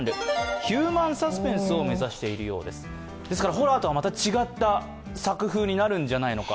ホラーとはまた違った作風になるんじゃないか。